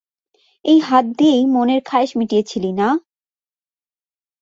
এই হাত দিয়েই মনের খায়েশ মিটিয়েছিলি না?